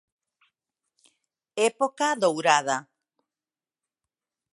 Época dourada.